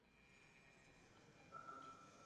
دوی مه ځوروئ